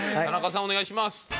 田中さんお願いします。